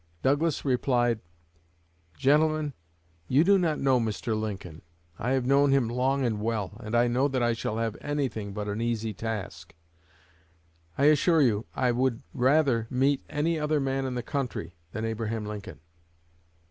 Douglas replied: "Gentlemen, you do not know Mr. Lincoln. I have known him long and well, and I know that I shall have anything but an easy task. I assure you I _would rather meet any other man in the country than Abraham Lincoln."